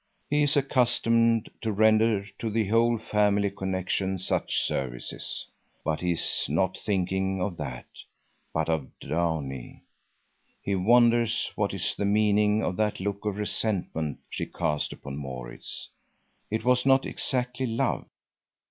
He is accustomed to render to the whole family connection such services. But he is not thinking of that, but of Downie. He wonders what is the meaning of that look of resentment she casts upon Maurits. It was not exactly love.